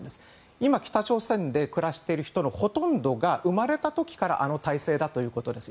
今、北朝鮮で暮らしている人のほとんどが生まれた時からあの体制だということです。